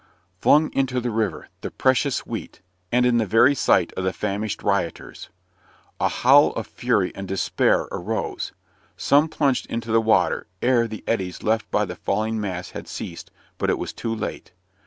Flung into the river, the precious wheat, and in the very sight of the famished rioters! A howl of fury and despair arose. Some plunged into the water, ere the eddies left by the falling mass had ceased but it was too late.